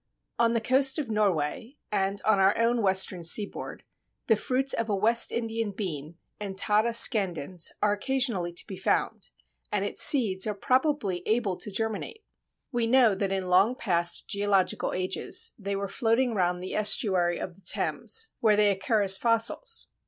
On the coast of Norway, and on our own western seaboard, the fruits of a West Indian bean (Entada scandens) are occasionally to be found, and its seeds are probably able to germinate. We know that in long past geological ages they were floating round the estuary of the Thames, where they occur as fossils.